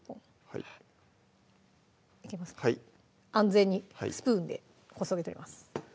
はい安全にスプーンでこそげ取ります